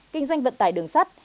kinh doanh vận tải đường sắt